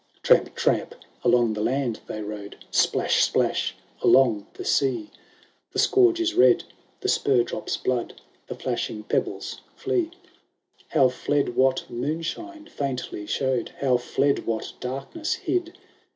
Tramp ! tramp ! along the land they rode, Splash ! splash ! along the sea ; The scourge is red, the spur drops blood, The flashing pebbles flee. LEV How fled what moonshine faintly showed ! How fled what darkness hid